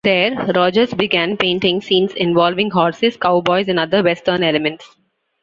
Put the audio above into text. There, Rogers began painting scenes involving horses, cowboys, and other "western" elements.